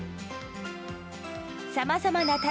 さまざまな棚